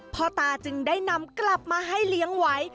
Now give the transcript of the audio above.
พ่อตาจึงได้นำกลับมาให้เลี้ยงไว้